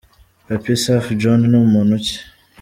Papy Safa John ni muntu ki?.